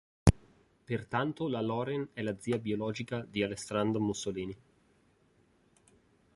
Pertanto la Loren è la zia biologica di Alessandra Mussolini.